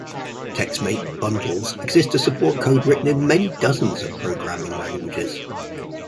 TextMate bundles exist to support code written in many dozens of programming languages.